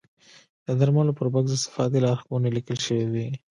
د درملو پر بکس د استفادې لارښوونې لیکل شوې وي.